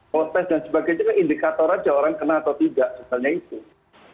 protes dan sebagainya kan indikator aja orang kena atau tidak misalnya itu